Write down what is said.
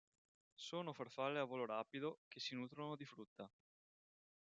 Sono farfalle a volo rapido che si nutrono di frutta.